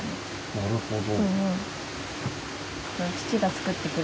なるほど。